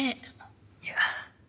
いや。